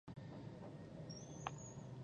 د نویو رسمي فرمانونو اعلان هم دلته ترسره کېږي.